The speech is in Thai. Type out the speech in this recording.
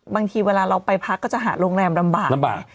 บางทีเวลาเราไปพักก็จะหาโรงแรมลำบากลำบาก